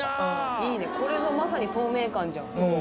いいねこれぞまさに透明感じゃん。